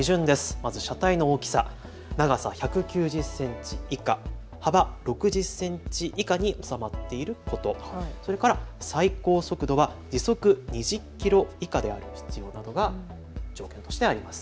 まず車体の大きさ、長さ１９０センチ以下、幅６０センチ以下に収まっていること、それから最高速度は時速２０キロ以下である必要などが条件としてあります。